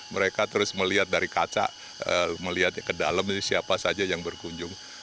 mereka terus melihat dari kaca melihat ke dalam siapa saja yang berkunjung